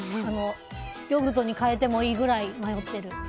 ヨーグルトに変えてもいいくらい迷ってる。